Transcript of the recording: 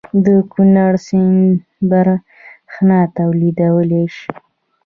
د کنړ سیند بریښنا تولیدولی شي؟